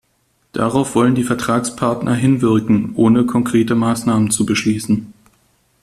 Darauf wollen die Vertragspartner hinwirken, ohne konkrete Maßnahmen zu beschließen.